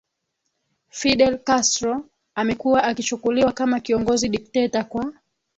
Fidel Castro amekuwa akichukuliwa kama kiongozi dikteta kwa